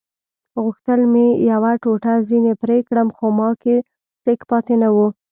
غوښتل مې یوه ټوټه ځینې پرې کړم خو ما کې سېک پاتې نه وو.